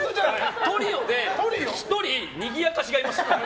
トリオで１人にぎやかしがいます。